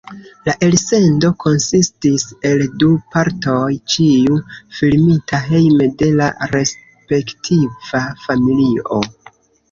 La elsendo konsistis el du partoj, ĉiu filmita hejme de la respektiva familio.